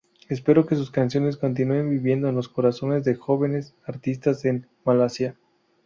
Espero que sus canciones continúen viviendo en los corazones de jóvenes artistas en Malasia.